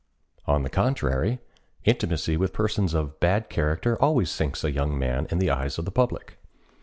On the contrary, intimacy with persons of bad character always sinks a young man in the eyes of the public.